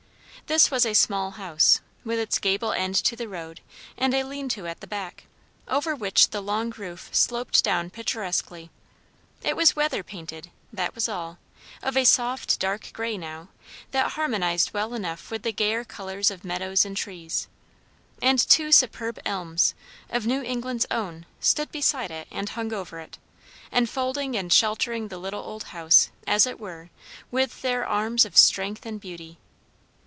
This was a small house, with its gable end to the road, and a lean to at the back, over which the long roof sloped down picturesquely. It was weather painted; that was all; of a soft dark grey now, that harmonized well enough with the gayer colours of meadows and trees. And two superb elms, of New England's own, stood beside it and hung over it, enfolding and sheltering the little old house, as it were, with their arms of strength and beauty.